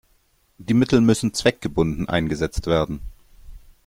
Die Mittel müssen zweckgebunden eingesetzt werden.